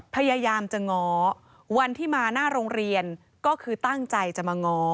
พยายามจะง้อวันที่มาหน้าโรงเรียนก็คือตั้งใจจะมาง้อ